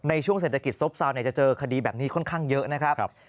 ในช่วงเศรษฐกิจซบเซาจะเจอคดีแบบนี้ค่อนข้างเยอะนะครับ